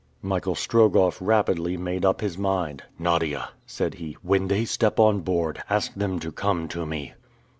Michael Strogoff rapidly made up his mind. "Nadia," said he, "when they step on board, ask them to come to me!"